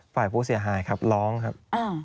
ฝ่ายผู้เสียหายครับร้องครับ